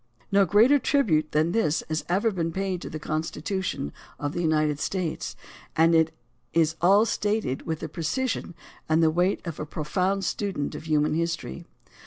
No greater tribute than this has ever been paid to the Constitution of the United States, and it is all stated with the precision and the weight of a profound student of human history.